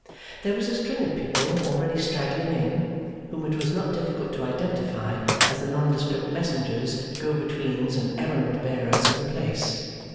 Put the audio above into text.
There was a string of people already straggling in, whom it was not difficult to identify as the nondescript messengers, go betweens, and errand bearers of the place.